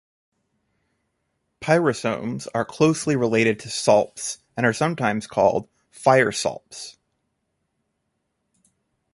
Pyrosomes are closely related to salps, and are sometimes called "fire salps".